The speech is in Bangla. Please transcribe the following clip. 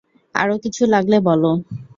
আরো কিছু লাগলে বলো।